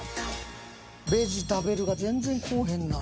ベジたべるが全然こぅへんなぁ。